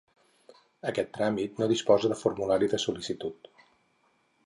Aquest tràmit no disposa de formulari de sol·licitud.